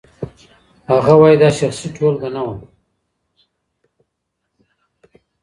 هغه وايي دا شخصي ټولګه نه وه.